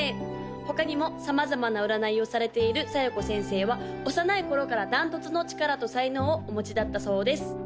他にも様々な占いをされている小夜子先生は幼い頃から断トツの力と才能をお持ちだったそうです